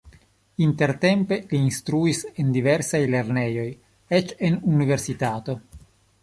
Intertempe li instruis en diversaj lernejoj, eĉ en universitato.